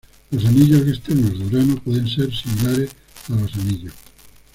Los anillos externos de Urano pueden ser similares a los anillos.